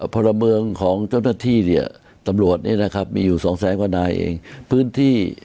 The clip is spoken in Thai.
พระเมืองของเจ้าหน้าทีเนี่ยตำรวจนี่นะครับมีอยู่๒แสงพอร์นอ่ะเองพื้นที่